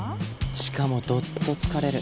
しかもどっと疲れる。